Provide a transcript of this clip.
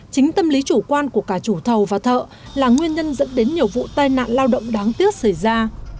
chính tâm lý chủ quan của cả chủ thầu và thợ là nguyên nhân dẫn đến nhiều vụ tai nạn lao động đáng tiếc xảy ra